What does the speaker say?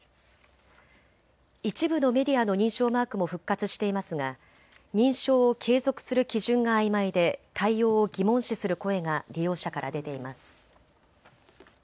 一部のメディアの認証マークも復活していますが認証を継続する基準があいまいで対応を疑問視する声が利用者から出ています。